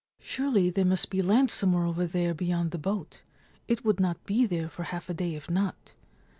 ' Surely there must be land somewhere over there beyond the boat : it would not be there for half a day if not.